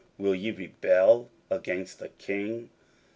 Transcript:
will ye rebel against the king?